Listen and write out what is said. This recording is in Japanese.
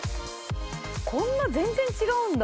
こんな全然違うんだ。